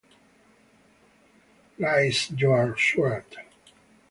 Raise Your Sword!